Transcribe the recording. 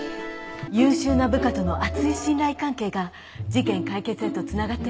優秀な部下との厚い信頼関係が事件解決へとつながってるんですね。